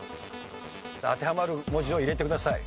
当てはまる文字を入れてください。